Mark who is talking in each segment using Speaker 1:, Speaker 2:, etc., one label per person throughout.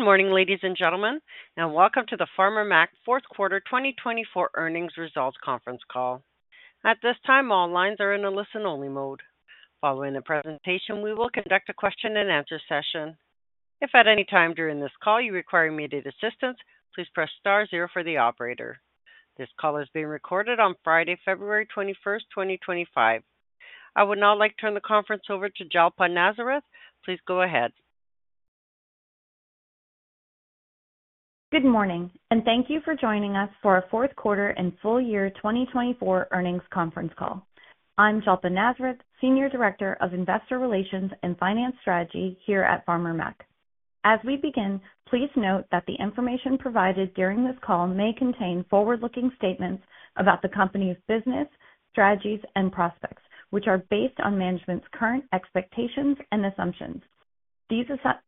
Speaker 1: Good morning, ladies and gentlemen, and welcome to the Farmer Mac fourth quarter 2024 Earnings Results Conference Call. At this time, all lines are in a listen-only mode. Following the presentation, we will conduct a question-and-answer session. If at any time during this call you require immediate assistance, please press star zero for the operator. This call is being recorded on Friday, February 21st, 2025. I would now like to turn the conference over to Jalpa Nazareth. Please go ahead.
Speaker 2: Good morning, and thank you for joining us for our fourth quarter and full Year 2024 earnings conference call. I'm Jalpa Nazareth, Senior Director of Investor Relations and Finance Strategy here at Farmer Mac. As we begin, please note that the information provided during this call may contain forward-looking statements about the company's business, strategies, and prospects, which are based on management's current expectations and assumptions.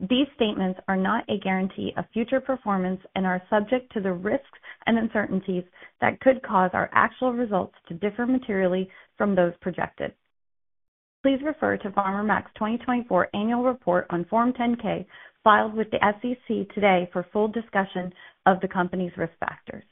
Speaker 2: These statements are not a guarantee of future performance and are subject to the risks and uncertainties that could cause our actual results to differ materially from those projected. Please refer to Farmer Mac's 2024 Annual Report on Form 10-K filed with the SEC today for full discussion of the company's risk factors.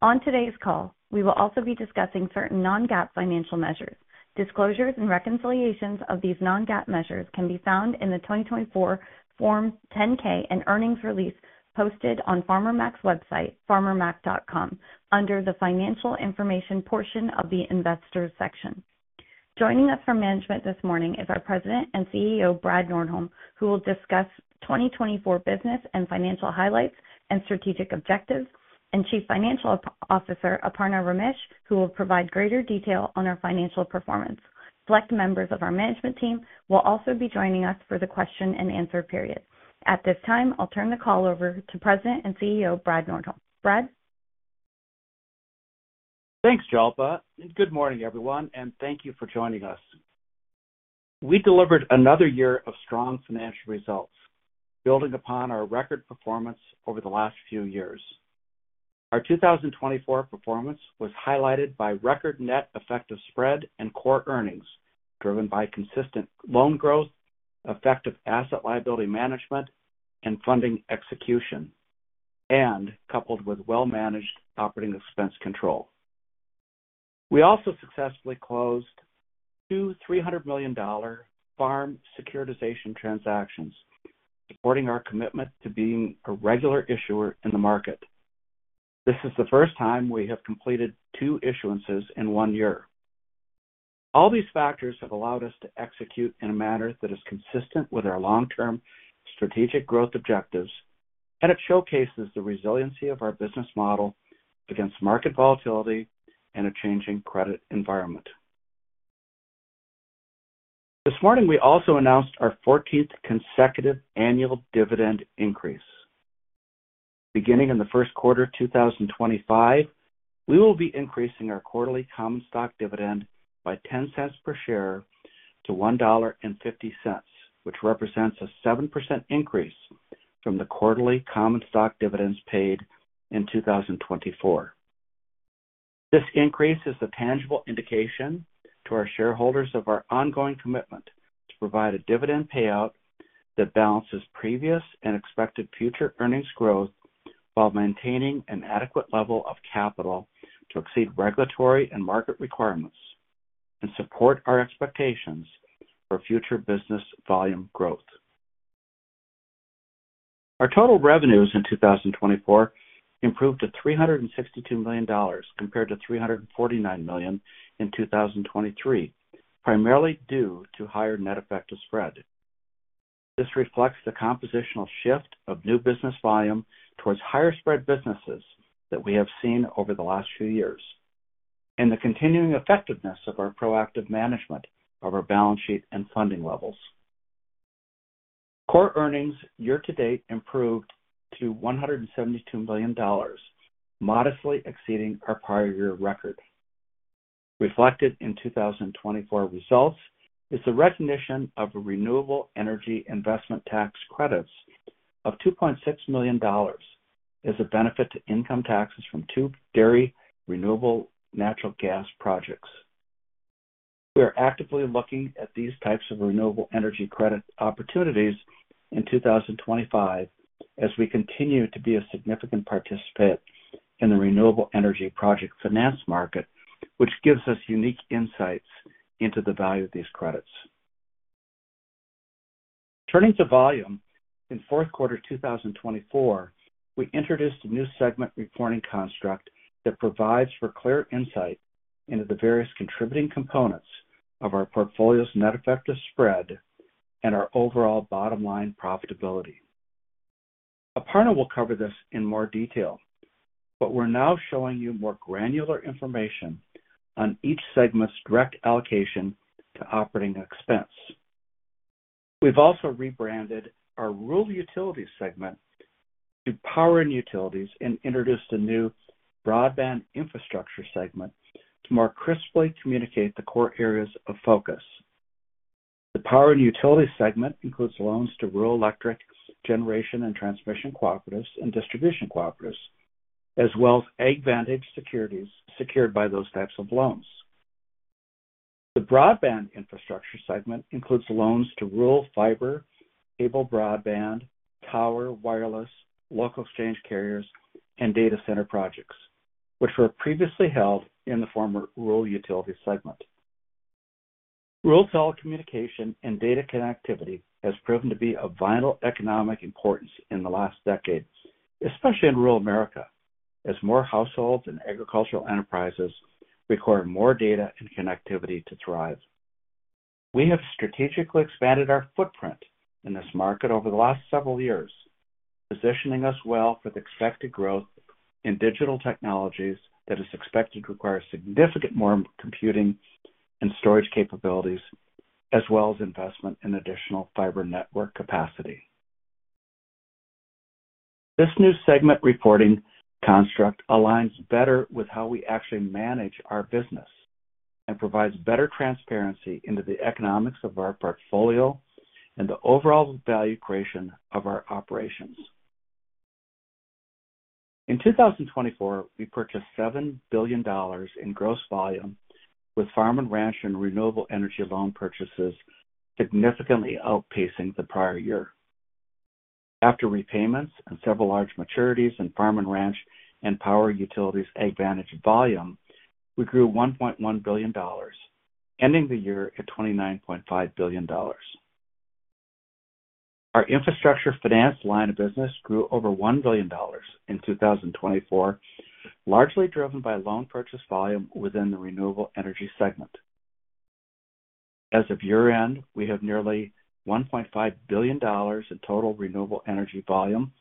Speaker 2: On today's call, we will also be discussing certain non-GAAP financial measures. Disclosures and reconciliations of these non-GAAP measures can be found in the 2024 Form 10-K and earnings release posted on Farmer Mac's website, farmermac.com, under the Financial Information portion of the Investor section. Joining us from management this morning is our President and CEO, Brad Nordholm, who will discuss 2024 business and financial highlights and strategic objectives, and Chief Financial Officer, Aparna Ramesh, who will provide greater detail on our financial performance. Select members of our management team will also be joining us for the question-and-answer period. At this time, I'll turn the call over to President and CEO, Brad Nordholm. Brad?
Speaker 3: Thanks, Jalpa. Good morning, everyone, and thank you for joining us. We delivered another year of strong financial results, building upon our record performance over the last few years. Our 2024 performance was highlighted by record net effective spread and core earnings driven by consistent loan growth, effective asset-liability management, and funding execution, coupled with well-managed operating expense control. We also successfully closed two $300 million farm securitization transactions, supporting our commitment to being a regular issuer in the market. This is the first time we have completed two issuances in one year. All these factors have allowed us to execute in a manner that is consistent with our long-term strategic growth objectives, and it showcases the resiliency of our business model against market volatility and a changing credit environment. This morning, we also announced our 14th consecutive annual dividend increase. Beginning in the first quarter of 2025, we will be increasing our quarterly common stock dividend by $0.10 per share to $1.50, which represents a 7% increase from the quarterly common stock dividends paid in 2024. This increase is a tangible indication to our shareholders of our ongoing commitment to provide a dividend payout that balances previous and expected future earnings growth while maintaining an adequate level of capital to exceed regulatory and market requirements and support our expectations for future business volume growth. Our total revenues in 2024 improved to $362 million compared to $349 million in 2023, primarily due to higher net effective spread. This reflects the compositional shift of new business volume towards higher spread businesses that we have seen over the last few years and the continuing effectiveness of our proactive management of our balance sheet and funding levels. Core earnings year-to-date improved to $172 million, modestly exceeding our prior year record. Reflected in 2024 results is the recognition of renewable energy investment tax credits of $2.6 million as a benefit to income taxes from two dairy renewable natural gas projects. We are actively looking at these types of renewable energy credit opportunities in 2025 as we continue to be a significant participant in the renewable energy project finance market, which gives us unique insights into the value of these credits. Turning to volume, in fourth quarter 2024, we introduced a new segment reporting construct that provides for clear insight into the various contributing components of our portfolio's net effective spread and our overall bottom line profitability. Aparna will cover this in more detail, but we're now showing you more granular information on each segment's direct allocation to operating expense. We've also rebranded our Rural Utilities segment to Power & Utilities and introduced a new Broadband Infrastructure segment to more crisply communicate the core areas of focus. The Power & Utilities segment includes loans to rural electric generation and transmission cooperatives and distribution cooperatives, as well as AgVantage securities secured by those types of loans. The Broadband Infrastructure segment includes loans to rural fiber, cable broadband, tower, wireless, local exchange carriers, and data center projects, which were previously held in the former Rural Utilities segment. Rural telecommunication and data connectivity has proven to be of vital economic importance in the last decade, especially in rural America, as more households and agricultural enterprises require more data and connectivity to thrive. We have strategically expanded our footprint in this market over the last several years, positioning us well for the expected growth in digital technologies that is expected to require significant more computing and storage capabilities, as well as investment in additional fiber network capacity. This new segment reporting construct aligns better with how we actually manage our business and provides better transparency into the economics of our portfolio and the overall value creation of our operations. In 2024, we purchased $7 billion in gross volume, with Farm & Ranch and renewable energy loan purchases significantly outpacing the prior year. After repayments and several large maturities in Farm & Ranch and Power & Utilities AgVantage volume, we grew $1.1 billion, ending the year at $29.5 billion. Our Infrastructure Finance line of business grew over $1 billion in 2024, largely driven by loan purchase volume within the Renewable Energy segment. As of year-end, we have nearly $1.5 billion in total renewable energy volume,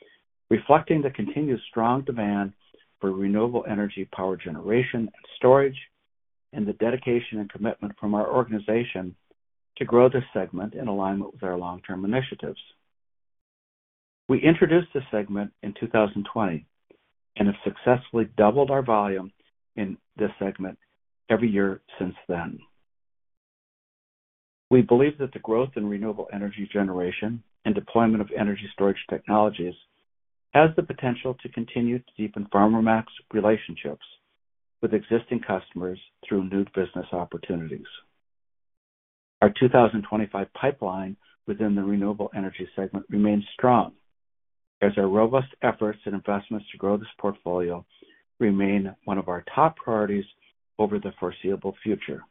Speaker 3: reflecting the continued strong demand for renewable energy power generation and storage and the dedication and commitment from our organization to grow this segment in alignment with our long-term initiatives. We introduced this segment in 2020 and have successfully doubled our volume in this segment every year since then. We believe that the growth in renewable energy generation and deployment of energy storage technologies has the potential to continue to deepen Farmer Mac's relationships with existing customers through new business opportunities. Our 2025 pipeline within the Renewable Energy segment remains strong, as our robust efforts and investments to grow this portfolio remain one of our top priorities over the foreseeable future.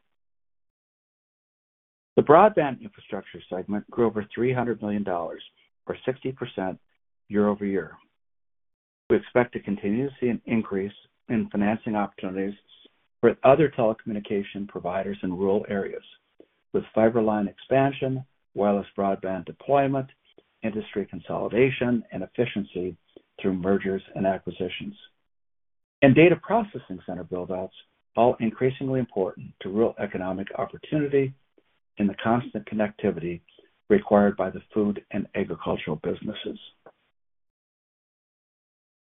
Speaker 3: The Broadband Infrastructure segment grew over $300 million, or 60% year-over-year. We expect to continue to see an increase in financing opportunities for other telecommunication providers in rural areas, with fiber line expansion, wireless broadband deployment, industry consolidation, and efficiency through mergers and acquisitions, and data processing center buildouts, all increasingly important to rural economic opportunity and the constant connectivity required by the food and agricultural businesses.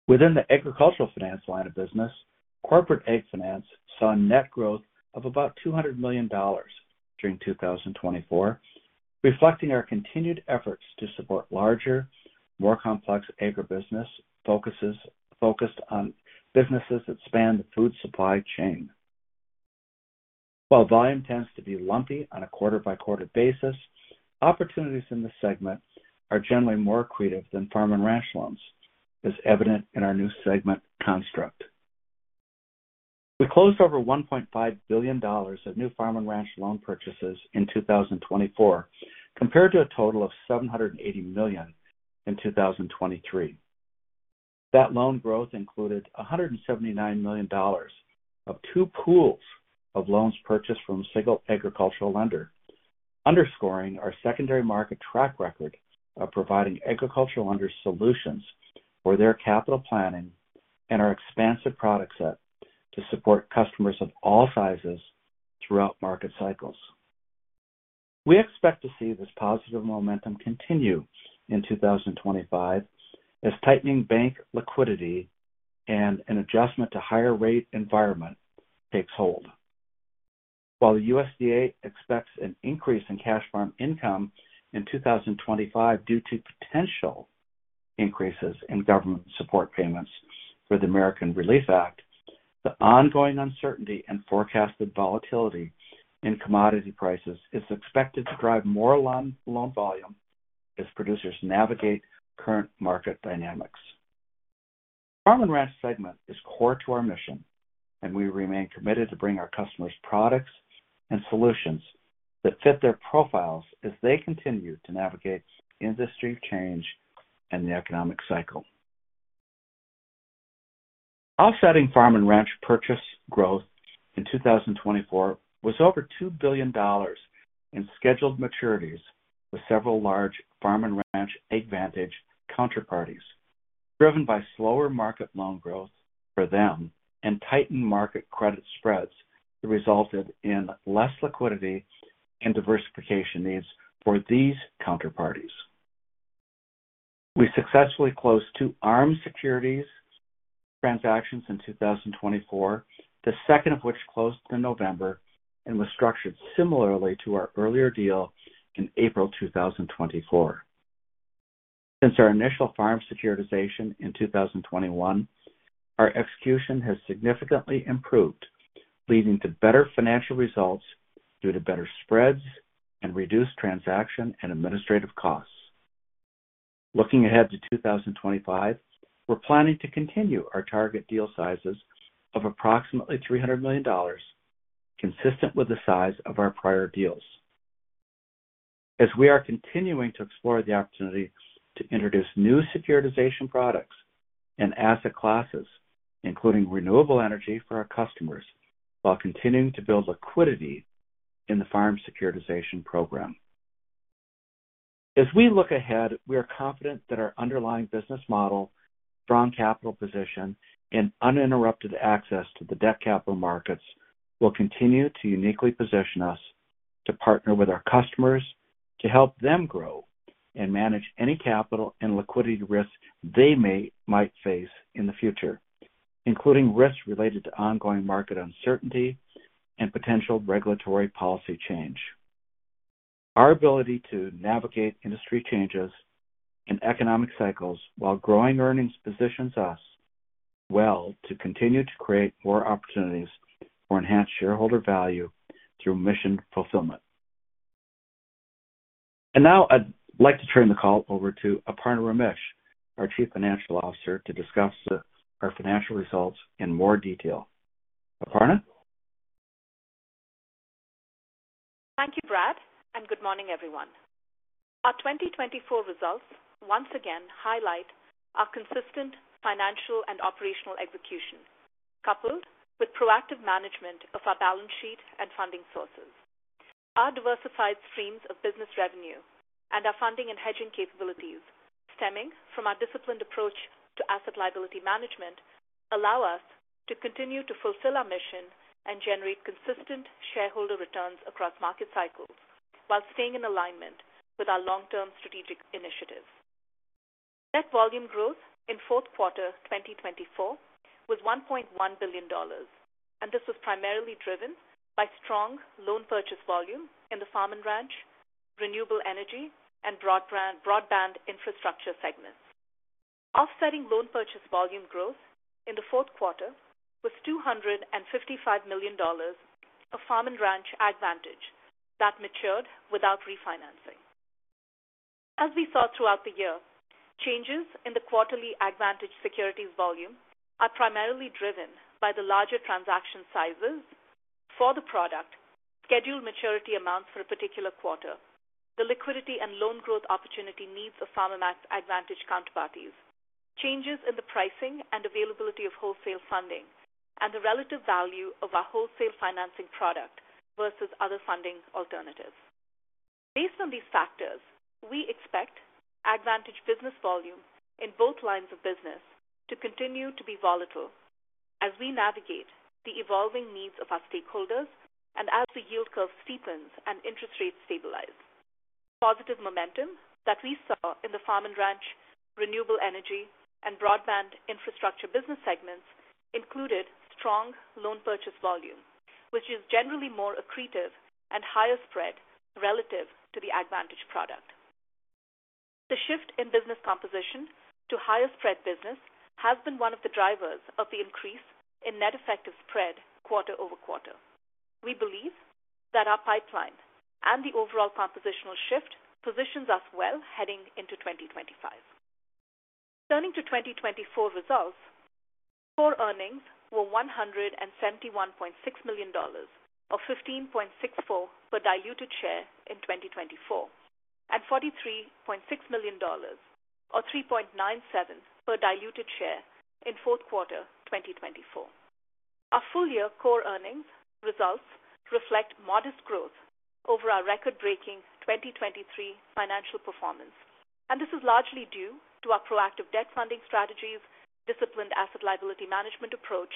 Speaker 3: Within the Agricultural Finance line of business, Corporate Ag Finance saw a net growth of about $200 million during 2024, reflecting our continued efforts to support larger, more complex agribusiness focused on businesses that span the food supply chain. While volume tends to be lumpy on a quarter-by-quarter basis, opportunities in this segment are generally more creative than Farm & Ranch loans, as evident in our new segment construct. We closed over $1.5 billion of new Farm & Ranch loan purchases in 2024, compared to a total of $780 million in 2023. That loan growth included $179 million of two pools of loans purchased from a single agricultural lender, underscoring our secondary market track record of providing agricultural lenders solutions for their capital planning and our expansive product set to support customers of all sizes throughout market cycles. We expect to see this positive momentum continue in 2025 as tightening bank liquidity and an adjustment to higher rate environment takes hold. While the USDA expects an increase in cash farm income in 2025 due to potential increases in government support payments for the American Relief Act, the ongoing uncertainty and forecasted volatility in commodity prices is expected to drive more loan volume as producers navigate current market dynamics. The Farm & Ranch segment is core to our mission, and we remain committed to bringing our customers products and solutions that fit their profiles as they continue to navigate industry change and the economic cycle. Offsetting Farm & Ranch purchase growth in 2024 was over $2 billion in scheduled maturities with several large Farm & Ranch AgVantage counterparties, driven by slower market loan growth for them and tightened market credit spreads that resulted in less liquidity and diversification needs for these counterparties. We successfully closed two farm securities transactions in 2024, the second of which closed in November and was structured similarly to our earlier deal in April 2024. Since our initial farm securitization in 2021, our execution has significantly improved, leading to better financial results due to better spreads and reduced transaction and administrative costs. Looking ahead to 2025, we're planning to continue our target deal sizes of approximately $300 million, consistent with the size of our prior deals, as we are continuing to explore the opportunity to introduce new securitization products and asset classes, including renewable energy, for our customers while continuing to build liquidity in the farm securitization program. As we look ahead, we are confident that our underlying business model, strong capital position, and uninterrupted access to the debt capital markets will continue to uniquely position us to partner with our customers to help them grow and manage any capital and liquidity risks they might face in the future, including risks related to ongoing market uncertainty and potential regulatory policy change. Our ability to navigate industry changes and economic cycles while growing earnings positions us well to continue to create more opportunities for enhanced shareholder value through mission fulfillment. Now, I'd like to turn the call over to Aparna Ramesh, our Chief Financial Officer, to discuss our financial results in more detail. Aparna?
Speaker 4: Thank you, Brad, and good morning, everyone. Our 2024 results once again highlight our consistent financial and operational execution, coupled with proactive management of our balance sheet and funding sources. Our diversified streams of business revenue and our funding and hedging capabilities, stemming from our disciplined approach to asset-liability management, allow us to continue to fulfill our mission and generate consistent shareholder returns across market cycles while staying in alignment with our long-term strategic initiatives. Net volume growth in fourth quarter 2024 was $1.1 billion, and this was primarily driven by strong loan purchase volume in the Farm & Ranch, Renewable Energy, and Broadband Infrastructure segments. Offsetting loan purchase volume growth in the fourth quarter was $255 million of Farm & Ranch AgVantage that matured without refinancing. As we saw throughout the year, changes in the quarterly AgVantage securities volume are primarily driven by the larger transaction sizes for the product, scheduled maturity amounts for a particular quarter, the liquidity and loan growth opportunity needs of Farm & Ranch AgVantage counterparties, changes in the pricing and availability of wholesale funding, and the relative value of our wholesale financing product versus other funding alternatives. Based on these factors, we expect AgVantage business volume in both lines of business to continue to be volatile as we navigate the evolving needs of our stakeholders and as the yield curve steepens and interest rates stabilize. The positive momentum that we saw in the Farm & Ranch, Renewable Energy, and Broadband Infrastructure business segments included strong loan purchase volume, which is generally more accretive and higher spread relative to the AgVantage product. The shift in business composition to higher spread business has been one of the drivers of the increase in net effective spread quarter over quarter. We believe that our pipeline and the overall compositional shift positions us well heading into 2025. Turning to 2024 results, core earnings were $171.6 million or $15.64 per diluted share in 2024, and $43.6 million or $3.97 per diluted share in fourth quarter 2024. Our full-year core earnings results reflect modest growth over our record-breaking 2023 financial performance, and this is largely due to our proactive debt funding strategies, disciplined asset-liability management approach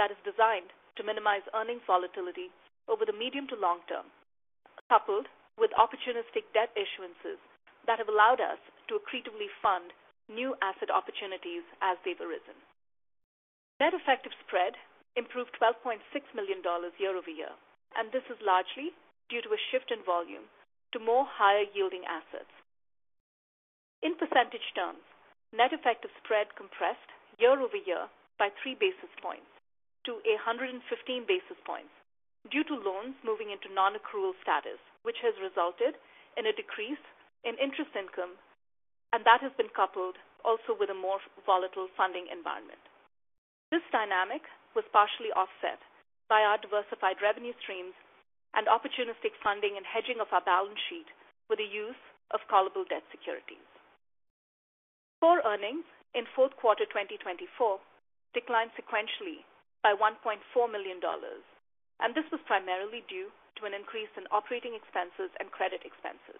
Speaker 4: that is designed to minimize earnings volatility over the medium to long term, coupled with opportunistic debt issuances that have allowed us to accretively fund new asset opportunities as they've arisen. Net effective spread improved $12.6 million year-over-year, and this is largely due to a shift in volume to more higher-yielding assets. In percentage terms, net effective spread compressed year-over-year by three basis points to 115 basis points due to loans moving into non-accrual status, which has resulted in a decrease in interest income and that has been coupled also with a more volatile funding environment. This dynamic was partially offset by our diversified revenue streams and opportunistic funding and hedging of our balance sheet with the use of callable debt securities. Core earnings in fourth quarter 2024 declined sequentially by $1.4 million, and this was primarily due to an increase in operating expenses and credit expenses.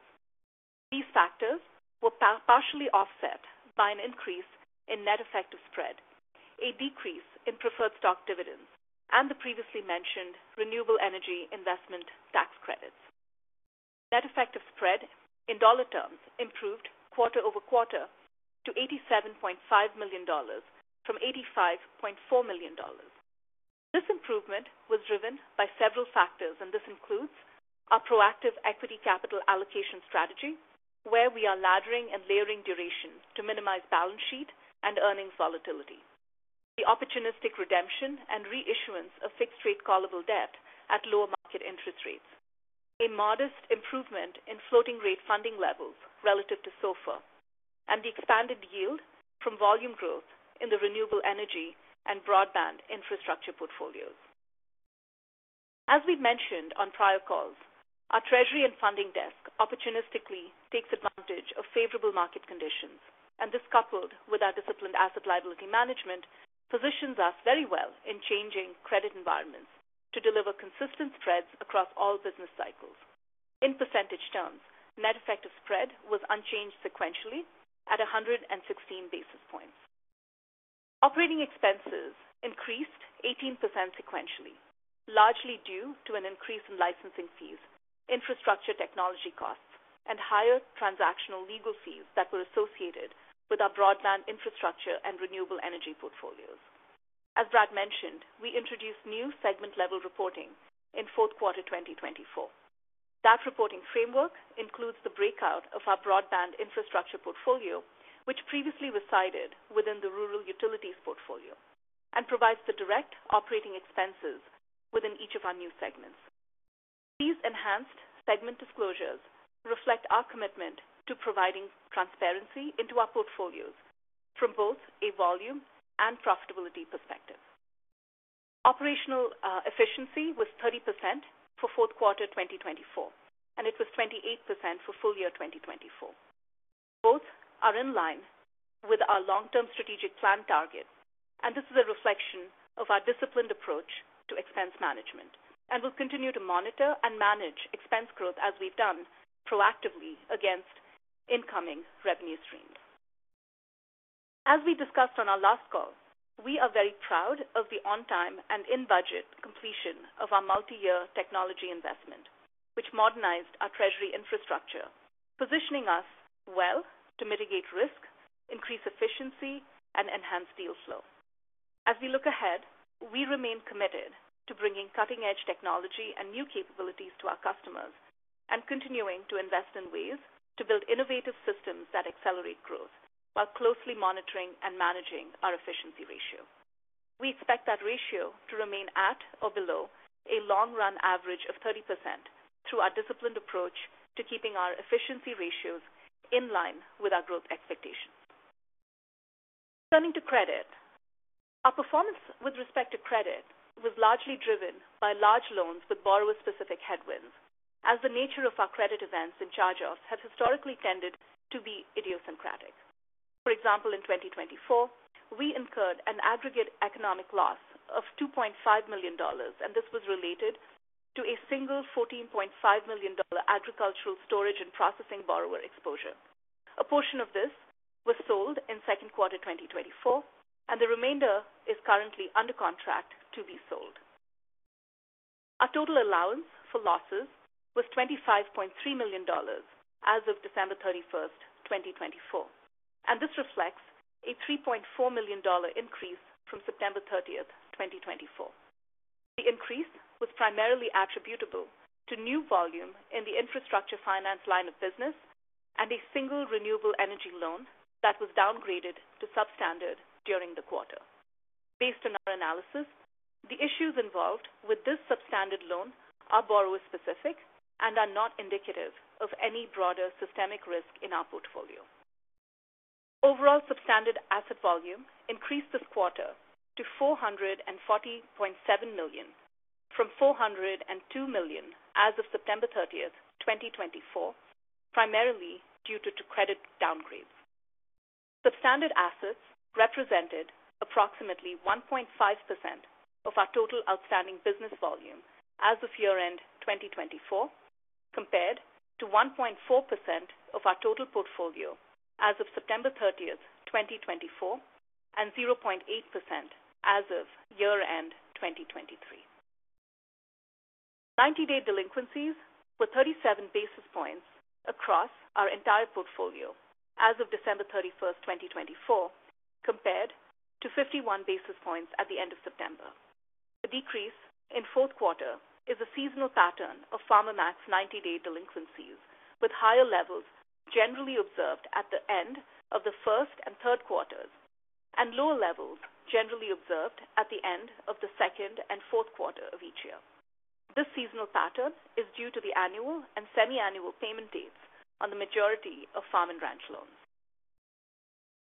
Speaker 4: These factors were partially offset by an increase in net effective spread, a decrease in preferred stock dividends, and the previously mentioned renewable energy investment tax credits. Net effective spread in dollar terms improved quarter over quarter to $87.5 million from $85.4 million. This improvement was driven by several factors, and this includes our proactive equity capital allocation strategy, where we are laddering and layering duration to minimize balance sheet and earnings volatility, the opportunistic redemption and reissuance of fixed-rate callable debt at lower market interest rates, a modest improvement in floating-rate funding levels relative to SOFR, and the expanded yield from volume growth in the renewable energy and Broadband Infrastructure portfolios. As we mentioned on prior calls, our Treasury and Funding Desk opportunistically takes advantage of favorable market conditions, and this coupled with our disciplined asset-liability management positions us very well in changing credit environments to deliver consistent spreads across all business cycles. In percentage terms, net effective spread was unchanged sequentially at 116 basis points. Operating expenses increased 18% sequentially, largely due to an increase in licensing fees, infrastructure technology costs, and higher transactional legal fees that were associated with our Broadband Infrastructure and renewable energy portfolios. As Brad mentioned, we introduced new segment-level reporting in fourth quarter 2024. That reporting framework includes the breakout of our Broadband Infrastructure portfolio, which previously resided within the Rural Utilities portfolio, and provides the direct operating expenses within each of our new segments. These enhanced segment disclosures reflect our commitment to providing transparency into our portfolios from both a volume and profitability perspective. Operational efficiency was 30% for fourth quarter 2024, and it was 28% for full year 2024. Both are in line with our long-term strategic plan target, and this is a reflection of our disciplined approach to expense management and will continue to monitor and manage expense growth as we've done proactively against incoming revenue streams. As we discussed on our last call, we are very proud of the on-time and in-budget completion of our multi-year technology investment, which modernized our Treasury infrastructure, positioning us well to mitigate risk, increase efficiency, and enhance deal flow. As we look ahead, we remain committed to bringing cutting-edge technology and new capabilities to our customers and continuing to invest in ways to build innovative systems that accelerate growth while closely monitoring and managing our efficiency ratio. We expect that ratio to remain at or below a long-run average of 30% through our disciplined approach to keeping our efficiency ratios in line with our growth expectations. Turning to credit, our performance with respect to credit was largely driven by large loans with borrower-specific headwinds, as the nature of our credit events in charge-offs have historically tended to be idiosyncratic. For example, in 2024, we incurred an aggregate economic loss of $2.5 million, and this was related to a single $14.5 million agricultural storage and processing borrower exposure. A portion of this was sold in second quarter 2024, and the remainder is currently under contract to be sold. Our total allowance for losses was $25.3 million as of December 31st, 2024, and this reflects a $3.4 million increase from September 30th, 2024. The increase was primarily attributable to new volume in the Infrastructure Finance line of business and a single renewable energy loan that was downgraded to substandard during the quarter. Based on our analysis, the issues involved with this substandard loan are borrower-specific and are not indicative of any broader systemic risk in our portfolio. Overall, substandard asset volume increased this quarter to $440.7 million from $402 million as of September 30th, 2024, primarily due to credit downgrades. Substandard assets represented approximately 1.5% of our total outstanding business volume as of year-end 2024, compared to 1.4% of our total portfolio as of September 30th, 2024, and 0.8% as of year-end 2023. 90-day delinquencies were 37 basis points across our entire portfolio as of December 31st, 2024, compared to 51 basis points at the end of September. The decrease in fourth quarter is a seasonal pattern of Farmer Mac 90-day delinquencies, with higher levels generally observed at the end of the first and third quarters and lower levels generally observed at the end of the second and fourth quarter of each year. This seasonal pattern is due to the annual and semiannual payment dates on the majority of Farm & Ranch loans.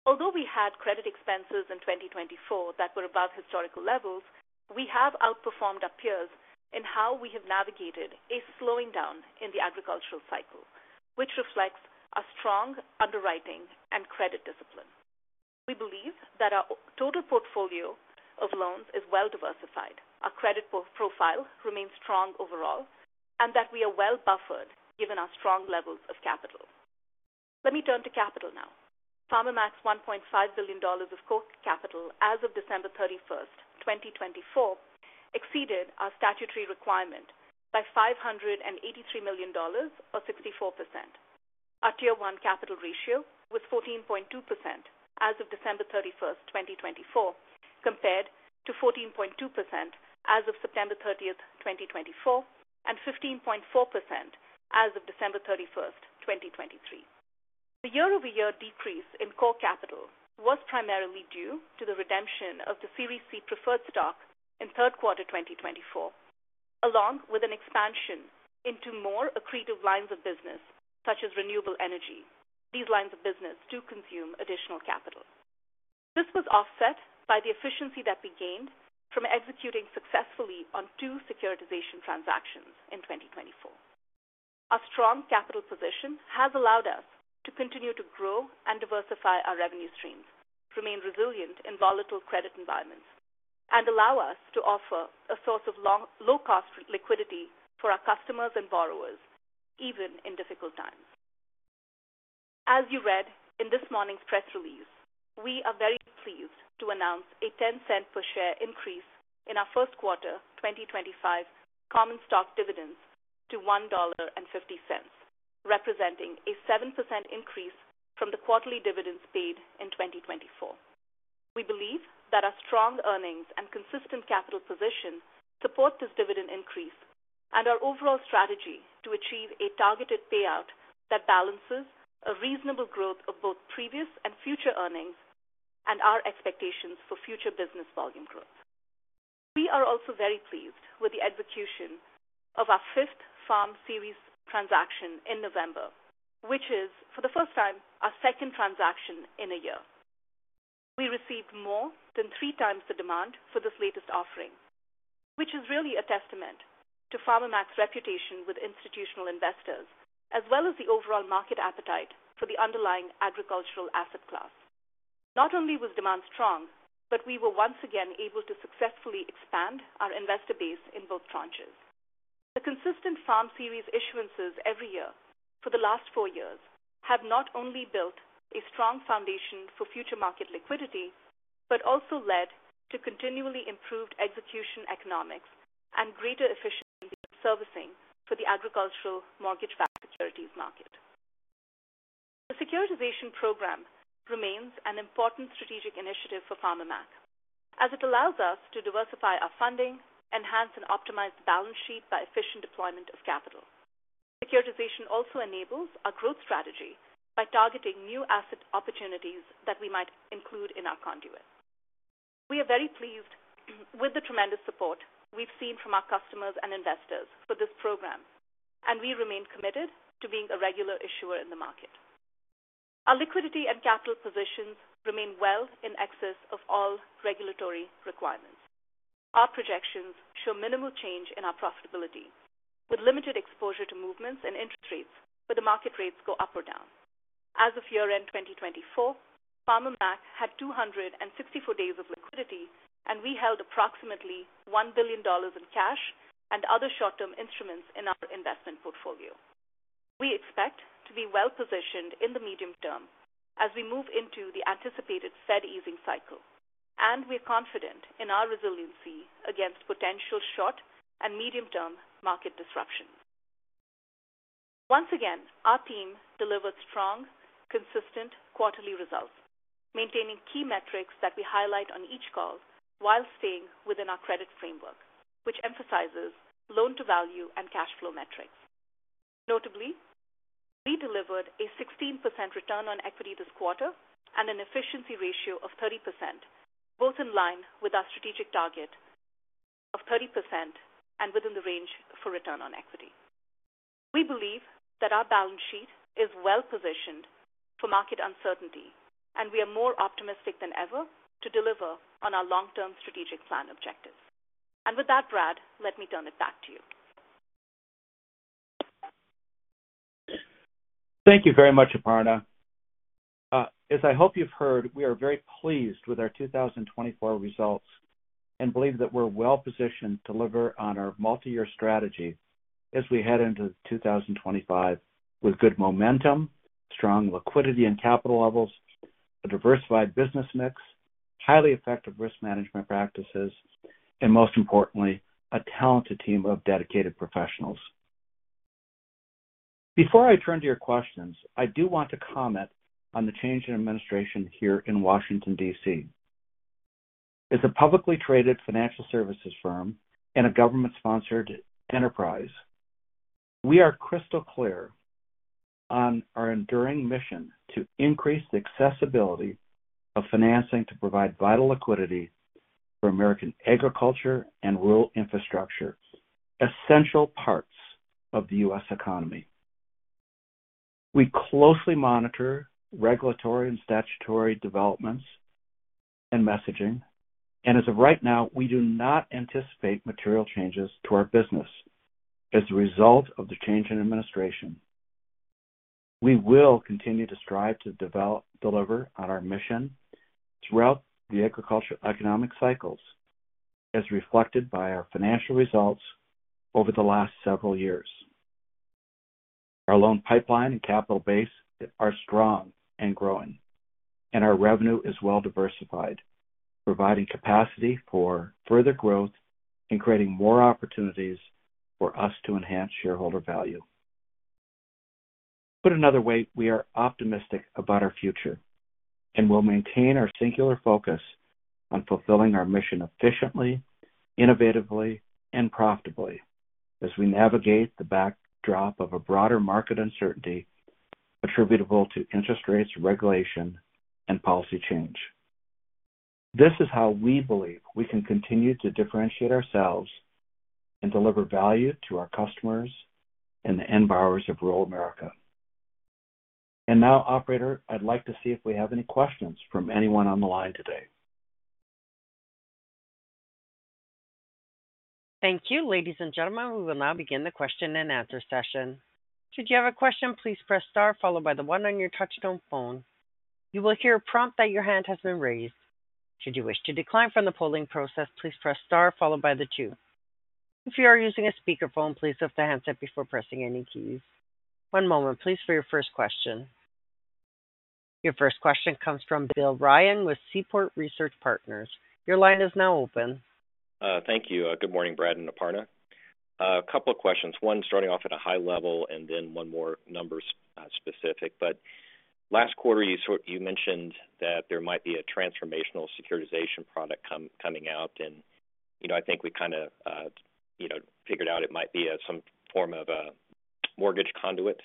Speaker 4: Although we had credit expenses in 2024 that were above historical levels, we have outperformed our peers in how we have navigated a slowing down in the agricultural cycle, which reflects our strong underwriting and credit discipline. We believe that our total portfolio of loans is well diversified, our credit profile remains strong overall, and that we are well buffered given our strong levels of capital. Let me turn to capital now. Farmer Mac has $1.5 billion of core capital as of December 31st, 2024, exceeded our statutory requirement by $583 million or 64%. Our Tier 1 capital ratio was 14.2% as of December 31st, 2024, compared to 14.2% as of September 30th, 2024, and 15.4% as of December 31st, 2023. The year-over-year decrease in core capital was primarily due to the redemption of the Series C preferred stock in third quarter 2024, along with an expansion into more accretive lines of business such as renewable energy. These lines of business do consume additional capital. This was offset by the efficiency that we gained from executing successfully on two securitization transactions in 2024. Our strong capital position has allowed us to continue to grow and diversify our revenue streams, remain resilient in volatile credit environments, and allow us to offer a source of low-cost liquidity for our customers and borrowers, even in difficult times. As you read in this morning's press release, we are very pleased to announce a 10-cent per share increase in our first quarter 2025 common stock dividends to $1.50, representing a 7% increase from the quarterly dividends paid in 2024. We believe that our strong earnings and consistent capital position support this dividend increase and our overall strategy to achieve a targeted payout that balances a reasonable growth of both previous and future earnings and our expectations for future business volume growth. We are also very pleased with the execution of our fifth FARM Series transaction in November, which is, for the first time, our second transaction in a year. We received more than three times the demand for this latest offering, which is really a testament to Farmer Mac's reputation with institutional investors, as well as the overall market appetite for the underlying agricultural asset class. Not only was demand strong, but we were once again able to successfully expand our investor base in both tranches. The consistent FARM Series issuances every year for the last four years have not only built a strong foundation for future market liquidity but also led to continually improved execution economics and greater efficiency in servicing for the agricultural mortgage-backed securities market. The securitization program remains an important strategic initiative for Farmer Mac, as it allows us to diversify our funding, enhance, and optimize the balance sheet by efficient deployment of capital. Securitization also enables our growth strategy by targeting new asset opportunities that we might include in our conduit. We are very pleased with the tremendous support we've seen from our customers and investors for this program, and we remain committed to being a regular issuer in the market. Our liquidity and capital positions remain well in excess of all regulatory requirements. Our projections show minimal change in our profitability, with limited exposure to movements in interest rates where the market rates go up or down. As of year-end 2024, Farmer Mac had 264 days of liquidity, and we held approximately $1 billion in cash and other short-term instruments in our investment portfolio. We expect to be well positioned in the medium term as we move into the anticipated Fed easing cycle, and we are confident in our resiliency against potential short and medium-term market disruptions. Once again, our team delivered strong, consistent quarterly results, maintaining key metrics that we highlight on each call while staying within our credit framework, which emphasizes loan-to-value and cash flow metrics. Notably, we delivered a 16% return on equity this quarter and an efficiency ratio of 30%, both in line with our strategic target of 30% and within the range for return on equity. We believe that our balance sheet is well positioned for market uncertainty, and we are more optimistic than ever to deliver on our long-term strategic plan objectives, and with that, Brad, let me turn it back to you.
Speaker 3: Thank you very much, Aparna. As I hope you've heard, we are very pleased with our 2024 results and believe that we're well positioned to deliver on our multi-year strategy as we head into 2025 with good momentum, strong liquidity and capital levels, a diversified business mix, highly effective risk management practices, and most importantly, a talented team of dedicated professionals. Before I turn to your questions, I do want to comment on the change in administration here in Washington, D.C. As a publicly traded financial services firm and a government-sponsored enterprise, we are crystal clear on our enduring mission to increase the accessibility of financing to provide vital liquidity for American agriculture and rural infrastructure, essential parts of the U.S. economy. We closely monitor regulatory and statutory developments and messaging, and as of right now, we do not anticipate material changes to our business as a result of the change in administration. We will continue to strive to deliver on our mission throughout the agricultural economic cycles, as reflected by our financial results over the last several years. Our loan pipeline and capital base are strong and growing, and our revenue is well diversified, providing capacity for further growth and creating more opportunities for us to enhance shareholder value. Put another way, we are optimistic about our future and will maintain our singular focus on fulfilling our mission efficiently, innovatively, and profitably as we navigate the backdrop of a broader market uncertainty attributable to interest rates regulation and policy change. This is how we believe we can continue to differentiate ourselves and deliver value to our customers and the end borrowers of rural America. And now, Operator, I'd like to see if we have any questions from anyone on the line today.
Speaker 1: Thank you. Ladies and gentlemen, we will now begin the question and answer session. Should you have a question, please press star followed by the one on your touch-tone phone. You will hear a prompt that your hand has been raised. Should you wish to decline from the polling process, please press star followed by the two. If you are using a speakerphone, please lift the handset before pressing any keys. One moment, please, for your first question. Your first question comes from Bill Ryan with Seaport Research Partners. Your line is now open.
Speaker 5: Thank you. Good morning, Brad and Aparna. A couple of questions. One starting off at a high level and then one more numbers specific, but last quarter, you mentioned that there might be a transformational securitization product coming out, and I think we kind of figured out it might be some form of a mortgage conduit.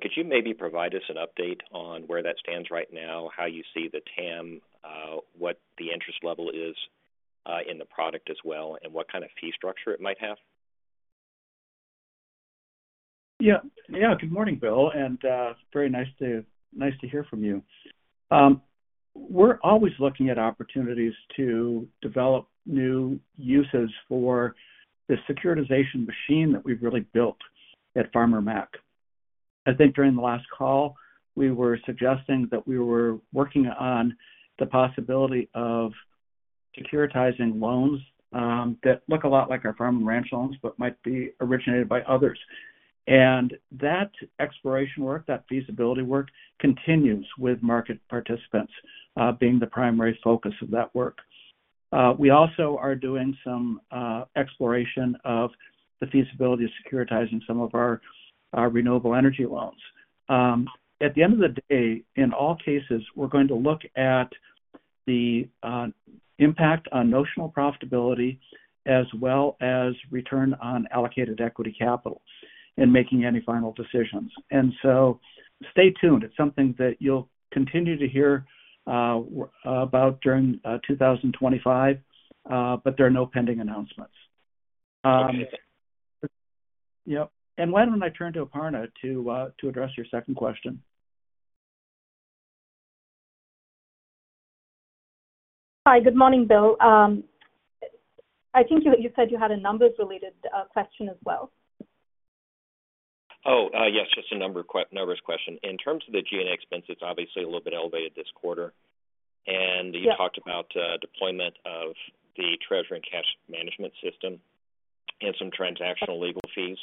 Speaker 5: Could you maybe provide us an update on where that stands right now, how you see the TAM, what the interest level is in the product as well, and what kind of fee structure it might have?
Speaker 3: Yeah. Yeah. Good morning, Bill, and very nice to hear from you. We're always looking at opportunities to develop new uses for the securitization machine that we've really built at Farmer Mac. I think during the last call, we were suggesting that we were working on the possibility of securitizing loans that look a lot like our Farm & Ranch loans but might be originated by others. And that exploration work, that feasibility work, continues with market participants being the primary focus of that work. We also are doing some exploration of the feasibility of securitizing some of our renewable energy loans. At the end of the day, in all cases, we're going to look at the impact on notional profitability as well as return on allocated equity capital in making any final decisions. And so stay tuned. It's something that you'll continue to hear about during 2025, but there are no pending announcements. Yep. And why don't I turn to Aparna to address your second question?
Speaker 4: Hi. Good morning, Bill. I think you said you had a numbers-related question as well.
Speaker 5: Oh, yes. Just a numbers question. In terms of the G&A expense, it's obviously a little bit elevated this quarter. And you talked about deployment of the treasury and cash management system and some transactional legal fees.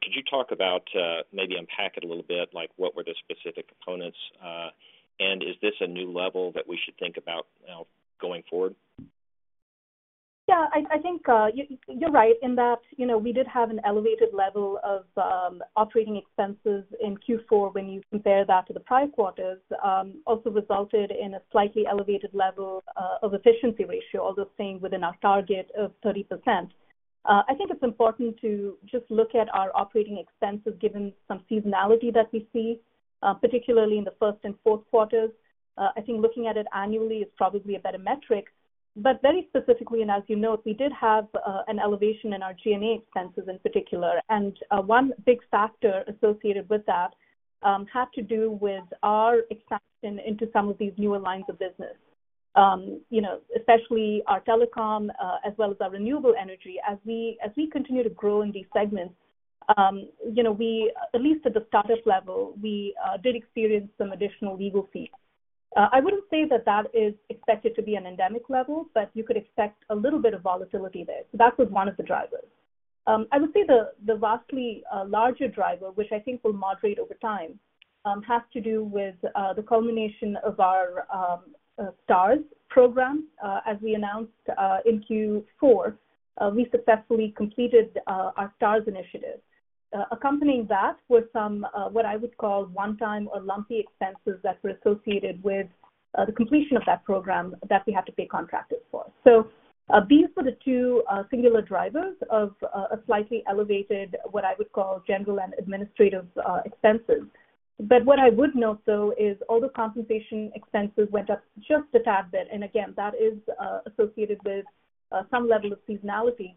Speaker 5: Could you talk about maybe unpack it a little bit? What were the specific components? And is this a new level that we should think about now going forward?
Speaker 4: Yeah. I think you're right in that we did have an elevated level of operating expenses in Q4 when you compare that to the prior quarters. Also resulted in a slightly elevated level of efficiency ratio, although staying within our target of 30%. I think it's important to just look at our operating expenses given some seasonality that we see, particularly in the first and fourth quarters. I think looking at it annually is probably a better metric. But very specifically, and as you note, we did have an elevation in our G&A expenses in particular. And one big factor associated with that had to do with our expansion into some of these newer lines of business, especially our telecom as well as our renewable energy. As we continue to grow in these segments, at least at the startup level, we did experience some additional legal fees. I wouldn't say that that is expected to be an endemic level, but you could expect a little bit of volatility there. So that was one of the drivers. I would say the vastly larger driver, which I think will moderate over time, has to do with the culmination of our STARS program. As we announced in Q4, we successfully completed our STARS initiative. Accompanying that were some what I would call one-time or lumpy expenses that were associated with the completion of that program that we had to pay contractors for. So these were the two singular drivers of a slightly elevated, what I would call, general and administrative expenses. But what I would note, though, is although compensation expenses went up just a tad bit, and again, that is associated with some level of seasonality,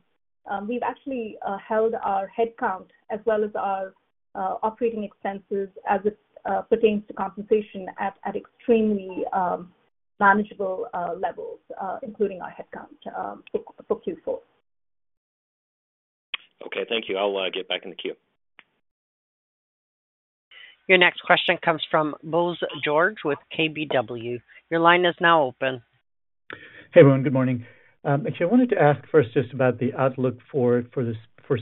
Speaker 4: we've actually held our headcount as well as our operating expenses as it pertains to compensation at extremely manageable levels, including our headcount for Q4.
Speaker 5: Okay. Thank you. I'll get back in the queue.
Speaker 1: Your next question comes from Bose George with KBW. Your line is now open.
Speaker 6: Hey, everyone. Good morning. I wanted to ask first just about the outlook for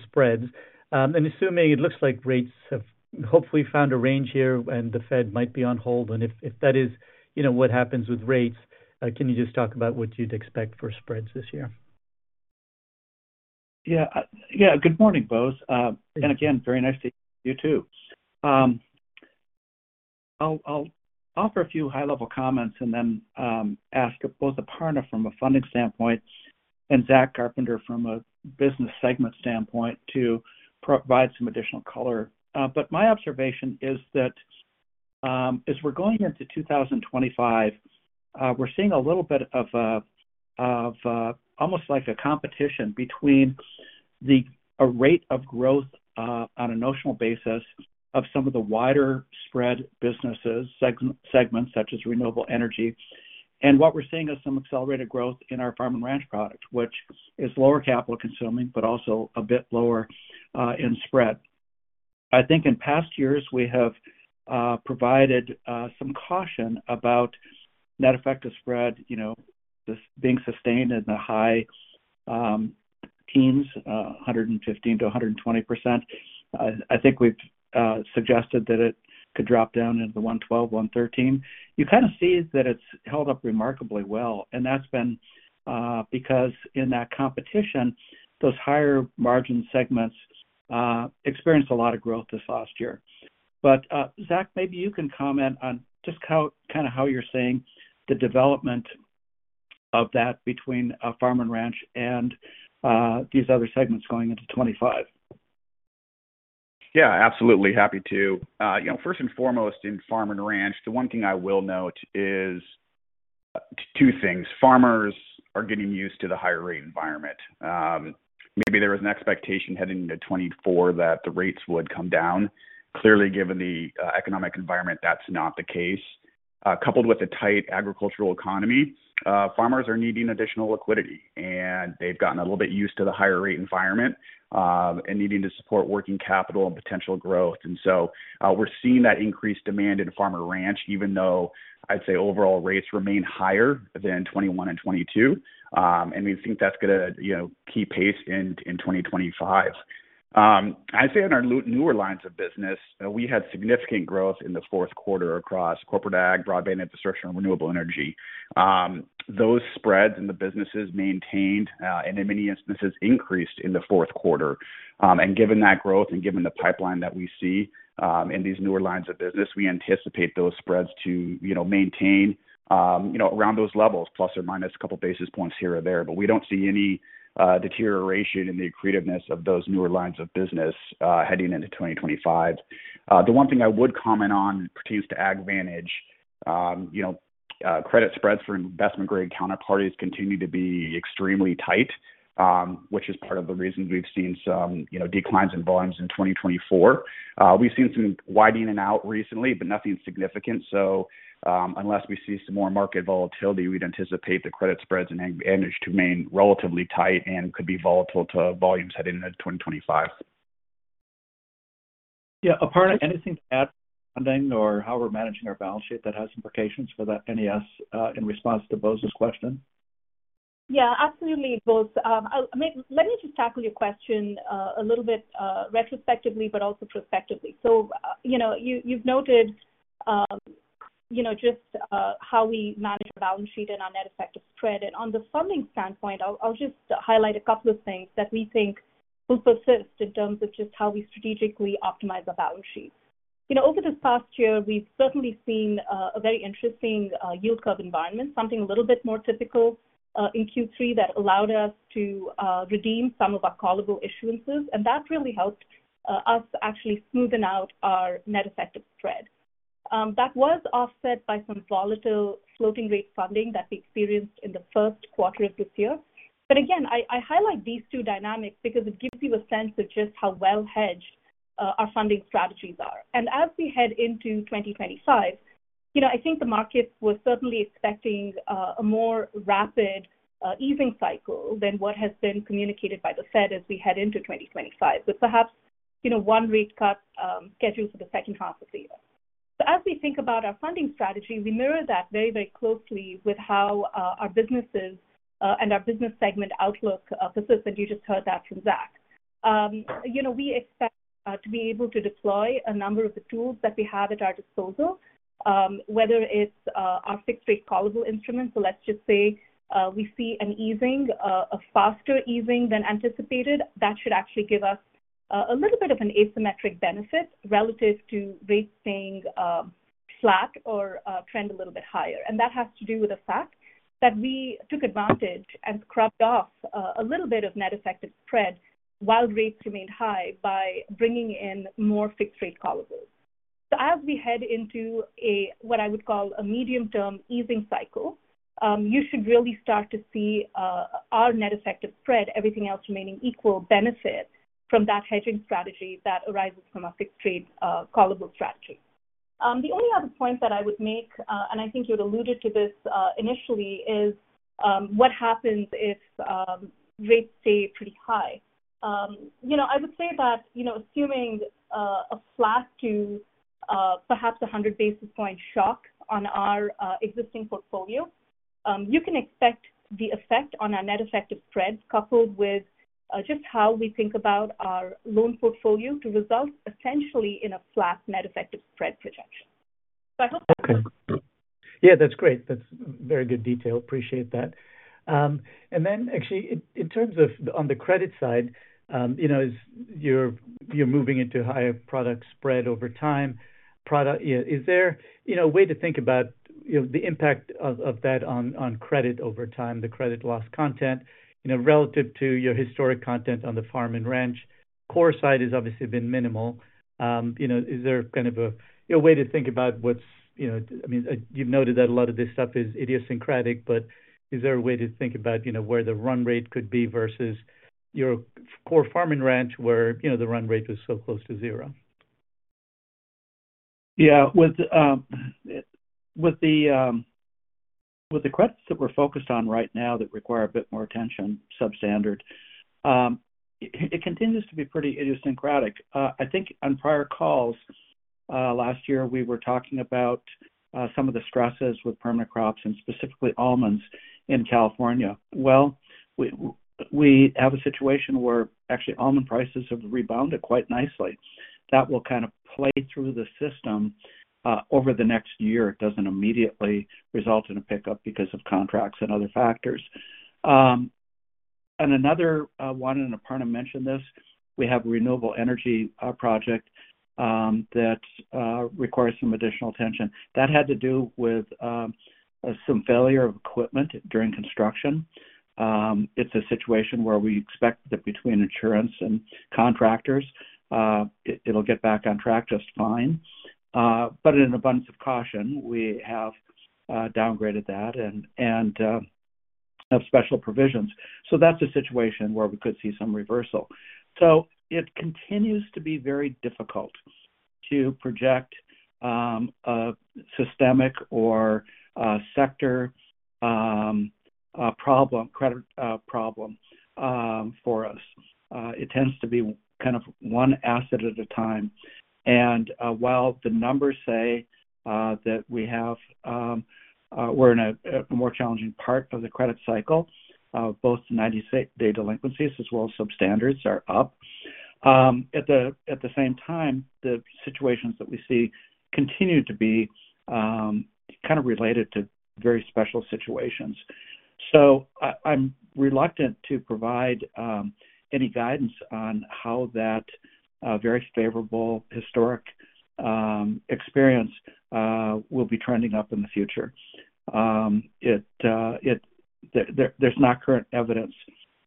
Speaker 6: spreads. And assuming it looks like rates have hopefully found a range here and the Fed might be on hold, and if that is what happens with rates, can you just talk about what you'd expect for spreads this year?
Speaker 3: Yeah. Yeah. Good morning, Bose. And again, very nice to hear you too. I'll offer a few high-level comments and then ask both Aparna from a funding standpoint and Zach Carpenter from a business segment standpoint to provide some additional color. My observation is that as we're going into 2025, we're seeing a little bit of almost like a competition between the rate of growth on a notional basis of some of the wider spread businesses, segments such as renewable energy, and what we're seeing as some accelerated growth in our Farm & Ranch product, which is lower capital consuming but also a bit lower in spread. I think in past years, we have provided some caution about net effective spread being sustained in the high teens, 115% to 120%. I think we've suggested that it could drop down into the 112%, 113%. You kind of see that it's held up remarkably well. And that's been because in that competition, those higher margin segments experienced a lot of growth this last year. But Zach, maybe you can comment on just kind of how you're seeing the development of that between Farm & Ranch and these other segments going into 2025.
Speaker 7: Yeah. Absolutely. Happy to. First and foremost in Farm & Ranch, the one thing I will note is two things. Farmers are getting used to the higher rate environment. Maybe there was an expectation heading into 2024 that the rates would come down. Clearly, given the economic environment, that's not the case. Coupled with a tight agricultural economy, farmers are needing additional liquidity. And they've gotten a little bit used to the higher rate environment and needing to support working capital and potential growth. And so we're seeing that increased demand in Farm & Ranch, even though I'd say overall rates remain higher than 2021 and 2022. And we think that's going to keep pace in 2025. I'd say in our newer lines of business, we had significant growth in the fourth quarter across Corporate Ag, Broadband Infrastructure, and Renewable Energy. Those spreads in the businesses maintained and in many instances increased in the fourth quarter. And given that growth and given the pipeline that we see in these newer lines of business, we anticipate those spreads to maintain around those levels, plus or minus a couple of basis points here or there. But we don't see any deterioration in the competitiveness of those newer lines of business heading into 2025. The one thing I would comment on pertains to AgVantage. Credit spreads for investment-grade counterparties continue to be extremely tight, which is part of the reason we've seen some declines in volumes in 2024. We've seen some widening out recently, but nothing significant. So unless we see some more market volatility, we'd anticipate the credit spreads and AgVantage to remain relatively tight and could be volatile to volumes heading into 2025.
Speaker 3: Yeah. Aparna, anything to add on funding or how we're managing our balance sheet that has implications for that NES in response to Bose's question?
Speaker 4: Yeah. Absolutely, Bose. Let me just tackle your question a little bit retrospectively, but also prospectively. So you've noted just how we manage our balance sheet and our net effective spread. And on the funding standpoint, I'll just highlight a couple of things that we think will persist in terms of just how we strategically optimize our balance sheet. Over this past year, we've certainly seen a very interesting yield curve environment, something a little bit more typical in Q3 that allowed us to redeem some of our callable issuances. And that really helped us actually smoothen out our net effective spread. That was offset by some volatile floating rate funding that we experienced in the first quarter of this year. But again, I highlight these two dynamics because it gives you a sense of just how well-hedged our funding strategies are. And as we head into 2025, I think the markets were certainly expecting a more rapid easing cycle than what has been communicated by the Fed as we head into 2025, with perhaps one rate cut scheduled for the second half of the year. So as we think about our funding strategy, we mirror that very, very closely with how our businesses and our business segment outlook persists. And you just heard that from Zach. We expect to be able to deploy a number of the tools that we have at our disposal, whether it's our fixed-rate callable instruments. So let's just say we see an easing, a faster easing than anticipated, that should actually give us a little bit of an asymmetric benefit relative to rates staying flat or trend a little bit higher. And that has to do with the fact that we took advantage and scrubbed off a little bit of net effective spread while rates remained high by bringing in more fixed-rate callables. So as we head into what I would call a medium-term easing cycle, you should really start to see our net effective spread, everything else remaining equal, benefit from that hedging strategy that arises from a fixed-rate callable strategy. The only other point that I would make, and I think you had alluded to this initially, is what happens if rates stay pretty high. I would say that assuming a flat to perhaps a 100 basis point shock on our existing portfolio, you can expect the effect on our net effective spreads coupled with just how we think about our loan portfolio to result essentially in a flat net effective spread projection. So I hope that's clear.
Speaker 6: Okay. Yeah. That's great. That's very good detail. Appreciate that. And then actually, in terms of on the credit side, as you're moving into higher product spread over time, is there a way to think about the impact of that on credit over time, the credit loss content relative to your historic content on the Farm & Ranch? Core side has obviously been minimal. Is there kind of a way to think about what's, I mean, you've noted that a lot of this stuff is idiosyncratic, but is there a way to think about where the run rate could be versus your core Farm & Ranch where the run rate was so close to zero?
Speaker 3: Yeah. With the credits that we're focused on right now that require a bit more attention, substandard, it continues to be pretty idiosyncratic. I think on prior calls last year, we were talking about some of the stresses with permanent crops and specifically almonds in California, well, we have a situation where actually almond prices have rebounded quite nicely. That will kind of play through the system over the next year. It doesn't immediately result in a pickup because of contracts and other factors, and another one, and Aparna mentioned this, we have a renewable energy project that requires some additional attention. That had to do with some failure of equipment during construction. It's a situation where we expect that between insurance and contractors, it'll get back on track just fine. But in an abundance of caution, we have downgraded that and have special provisions. So that's a situation where we could see some reversal. So it continues to be very difficult to project a systemic or sector credit problem for us. It tends to be kind of one asset at a time. And while the numbers say that we're in a more challenging part of the credit cycle, both the 90-day delinquencies as well as substandards are up. At the same time, the situations that we see continue to be kind of related to very special situations. So I'm reluctant to provide any guidance on how that very favorable historic experience will be trending up in the future. There's no current evidence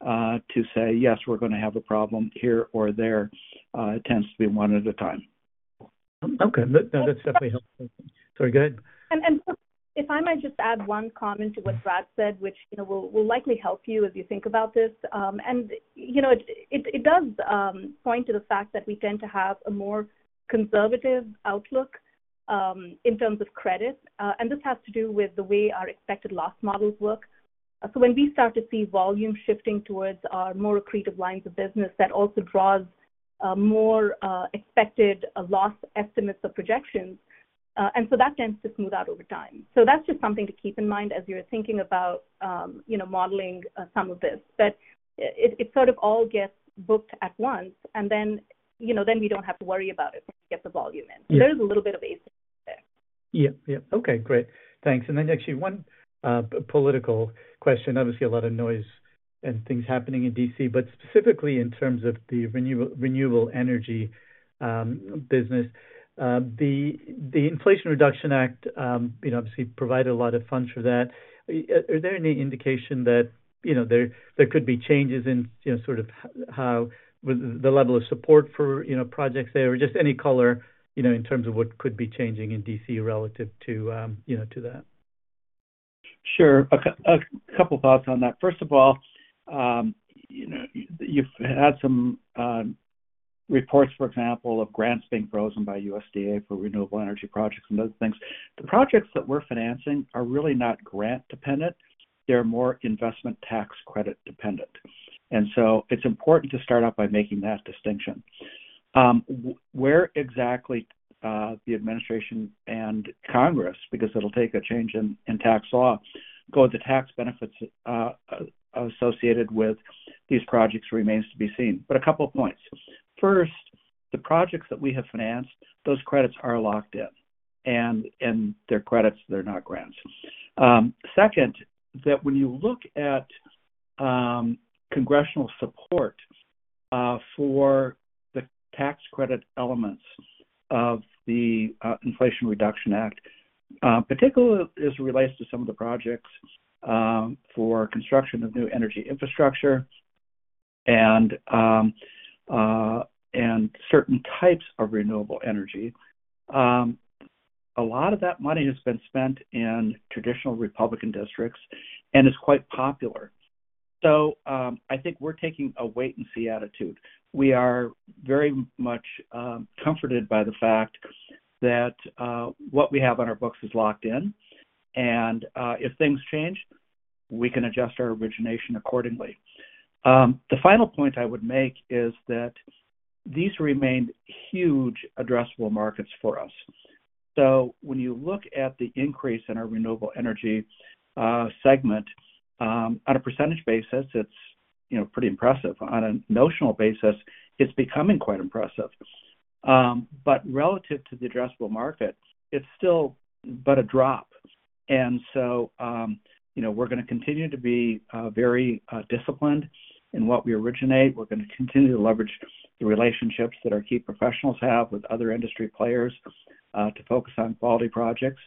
Speaker 3: to say, "Yes, we're going to have a problem here or there." It tends to be one at a time.
Speaker 6: Okay. No, that's definitely helpful. Sorry. Go ahead...
Speaker 4: ...and if I might just add one comment to what Brad said, which will likely help you as you think about this, and it does point to the fact that we tend to have a more conservative outlook in terms of credit, and this has to do with the way our expected loss models work, so when we start to see volume shifting towards our more accretive lines of business, that also draws more expected loss estimates or projections, and so that tends to smooth out over time, so that's just something to keep in mind as you're thinking about modeling some of this. But it sort of all gets booked at once, and then we don't have to worry about it when we get the volume in. There is a little bit of asymmetry there.
Speaker 6: Yeah. Yeah. Okay. Great. Thanks. And then actually one political question. Obviously, a lot of noise and things happening in D.C., but specifically in terms of the renewable energy business. The Inflation Reduction Act obviously provided a lot of funds for that. Are there any indication that there could be changes in sort of the level of support for projects there or just any color in terms of what could be changing in D.C. relative to that?
Speaker 3: Sure. A couple of thoughts on that. First of all, you've had some reports, for example, of grants being frozen by USDA for renewable energy projects and other things. The projects that we're financing are really not grant-dependent. They're more investment tax credit-dependent. And so it's important to start off by making that distinction. Where exactly the administration and Congress, because it'll take a change in tax law, go with the tax benefits associated with these projects remains to be seen. But a couple of points. First, the projects that we have financed, those credits are locked in. And they're credits. They're not grants. Second, that when you look at congressional support for the tax credit elements of the Inflation Reduction Act, particularly as it relates to some of the projects for construction of new energy infrastructure and certain types of renewable energy, a lot of that money has been spent in traditional Republican districts and is quite popular. So I think we're taking a wait-and-see attitude. We are very much comforted by the fact that what we have on our books is locked in. And if things change, we can adjust our origination accordingly. The final point I would make is that these remain huge addressable markets for us. So when you look at the increase in our Renewable Energy segment, on a percentage basis, it's pretty impressive. On a notional basis, it's becoming quite impressive. But relative to the addressable market, it's still but a drop. And so we're going to continue to be very disciplined in what we originate. We're going to continue to leverage the relationships that our key professionals have with other industry players to focus on quality projects.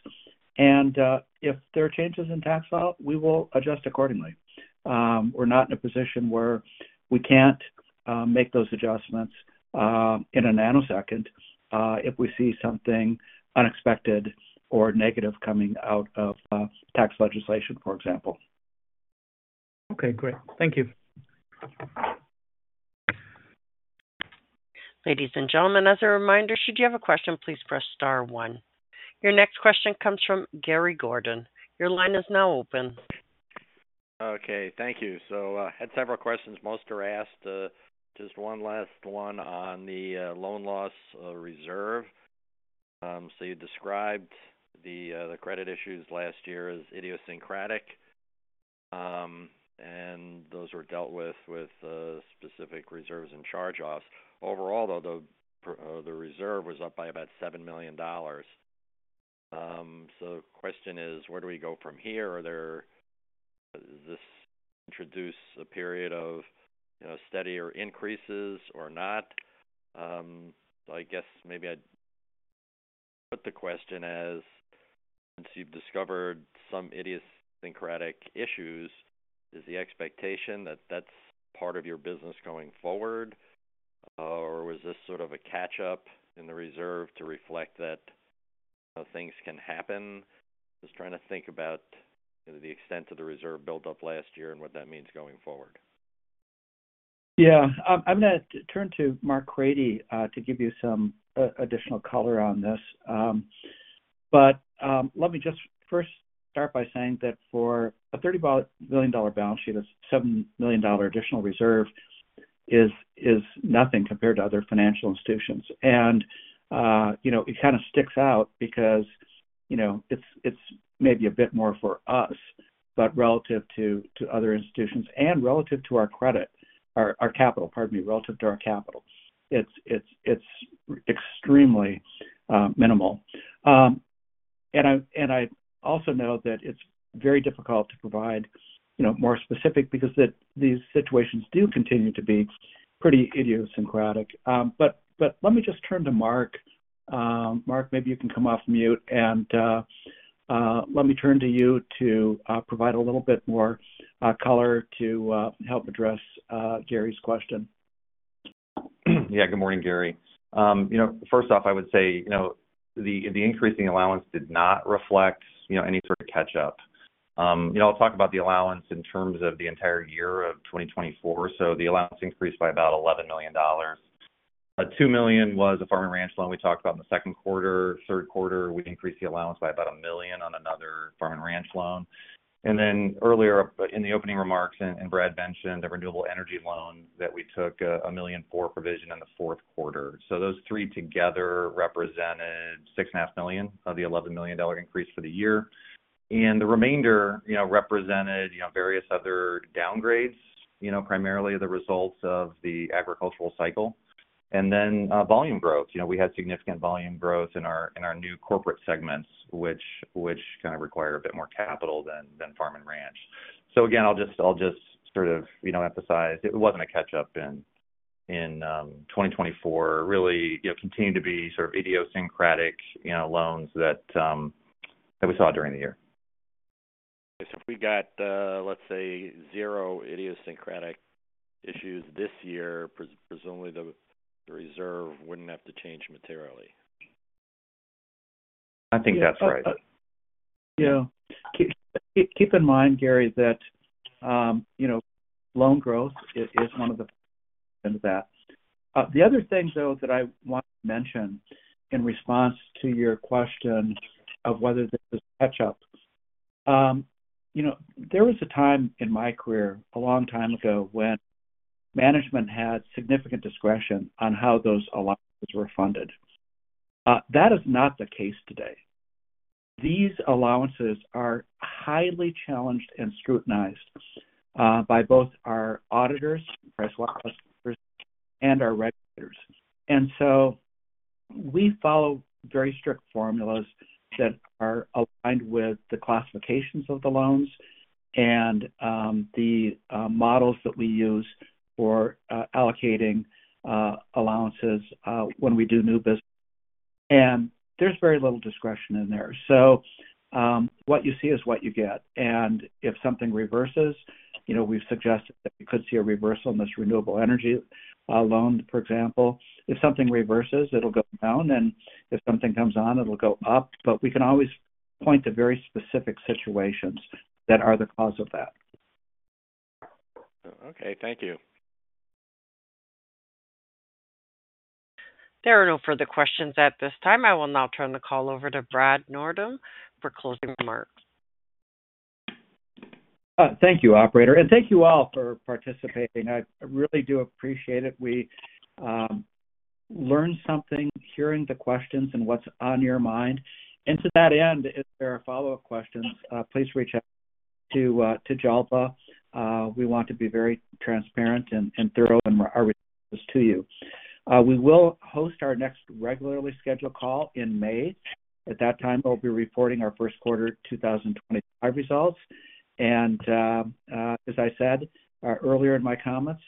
Speaker 3: And if there are changes in tax law, we will adjust accordingly. We're not in a position where we can't make those adjustments in a nanosecond if we see something unexpected or negative coming out of tax legislation, for example.
Speaker 6: Okay. Great. Thank you.
Speaker 1: Ladies and gentlemen, as a reminder, should you have a question, please press star one. Your next question comes from Gary Gordon. Your line is now open.
Speaker 8: Okay. Thank you. So I had several questions. Most are asked. Just one last one on the loan loss reserve. So you described the credit issues last year as idiosyncratic, and those were dealt with with specific reserves and charge-offs. Overall, though, the reserve was up by about $7 million. So the question is, where do we go from here? Is this to introduce a period of steadier increases or not? So I guess maybe I'd put the question as, once you've discovered some idiosyncratic issues, is the expectation that that's part of your business going forward? Or was this sort of a catch-up in the reserve to reflect that things can happen? Just trying to think about the extent of the reserve build-up last year and what that means going forward.
Speaker 3: Yeah. I'm going to turn to Mark Brady to give you some additional color on this. But let me just first start by saying that for a $30 billion balance sheet, a $7 million additional reserve is nothing compared to other financial institutions. And it kind of sticks out because it's maybe a bit more for us, but relative to other institutions and relative to our credit, our capital, pardon me, relative to our capital, it's extremely minimal. And I also know that it's very difficult to provide more specific because these situations do continue to be pretty idiosyncratic. But let me just turn to Mark. Mark, maybe you can come off mute. And let me turn to you to provide a little bit more color to help address Gary's question.
Speaker 9: Yeah. Good morning, Gary. First off, I would say the increasing allowance did not reflect any sort of catch-up. I'll talk about the allowance in terms of the entire year of 2024, so the allowance increased by about $11 million. $2 million was a Farm & Ranch loan we talked about in the second quarter. Third quarter, we increased the allowance by about $1 million on another Farm & Ranch loan. And then earlier in the opening remarks, Brad mentioned the renewable energy loan that we took $1 million for provision in the fourth quarter. So those three together represented $6.5 million of the $11 million increase for the year. And the remainder represented various other downgrades, primarily the results of the agricultural cycle, and then volume growth. We had significant volume growth in our new corporate segments, which kind of require a bit more capital than Farm & Ranch. So again, I'll just sort of emphasize it wasn't a catch-up in 2024. Really continued to be sort of idiosyncratic loans that we saw during the year.
Speaker 8: Okay, so if we got, let's say, zero idiosyncratic issues this year, presumably the reserve wouldn't have to change materially.
Speaker 9: I think that's right.
Speaker 3: Yeah. Keep in mind, Gary, that loan growth is one of the things that the other thing, though, that I want to mention in response to your question of whether there's catch-up. There was a time in my career a long time ago when management had significant discretion on how those allowances were funded. That is not the case today. These allowances are highly challenged and scrutinized by both our auditors and our regulators. And so we follow very strict formulas that are aligned with the classifications of the loans and the models that we use for allocating allowances when we do new business. And there's very little discretion in there. So what you see is what you get. And if something reverses, we've suggested that we could see a reversal in this renewable energy loan, for example. If something reverses, it'll go down. And if something comes on, it'll go up. But we can always point to very specific situations that are the cause of that.
Speaker 8: Okay. Thank you.
Speaker 1: There are no further questions at this time. I will now turn the call over to Brad Nordholm for closing remarks. Thank you, operator. And thank you all for participating. I really do appreciate it. We learned something hearing the questions and what's on your mind.
Speaker 3: And to that end, if there are follow-up questions, please reach out to Jalpa. We want to be very transparent and thorough in our responses to you. We will host our next regularly scheduled call in May. At that time, we'll be reporting our first quarter 2025 results. And as I said earlier in my comments,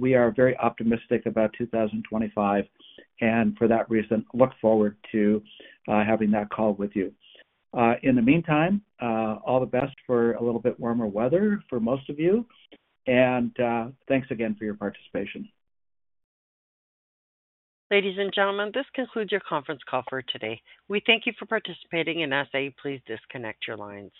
Speaker 3: we are very optimistic about 2025. And for that reason, look forward to having that call with you. In the meantime, all the best for a little bit warmer weather for most of you. And thanks again for your participation. Ladies and gentlemen, this concludes your conference call for today. We thank you for participating and ask that you please disconnect your lines.